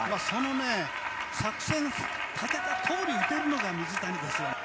作戦立てた通り打てるのが水谷です。